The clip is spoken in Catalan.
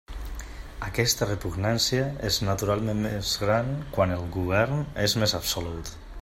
Aquesta repugnància és naturalment més gran quan el govern és més absolut.